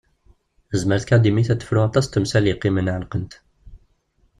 Tezmer tkadimit ad tefru aṭas n temsal yeqqimen ɛelqent.